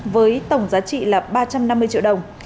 với tổng giá trị là ba trăm năm mươi triệu đồng